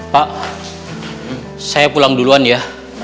pak saya pulang duluan ya